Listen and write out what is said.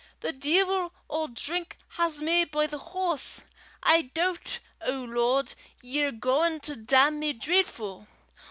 The deevil o' drink has me by the hause. I doobt, O Lord, ye're gauin' to damn me dreidfu'.